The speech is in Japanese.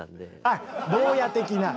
あっ坊や的な。